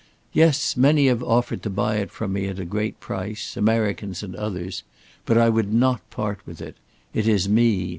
"Yes, many have offered to buy it from me at a great price Americans and others. But I would not part with it. It is me.